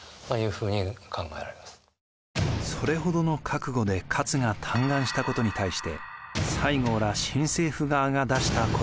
それほどの覚悟で勝が嘆願したことに対して西郷ら新政府側が出した答えとは。